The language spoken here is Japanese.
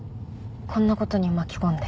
こんな事に巻き込んで。